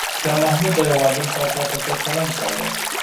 شاه محمود د یو عادل پاچا په څېر چلند کاوه.